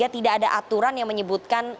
tidak ada aturan yang menyebutkan